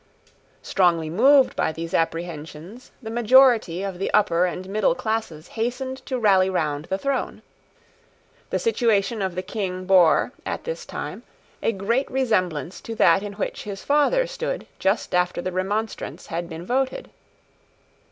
Strongly moved by these apprehensions, the majority of the upper and middle classes hastened to rally round the throne. The situation of the King bore, at this time, a great resemblance to that in which his father stood just after the Remonstrance had been voted.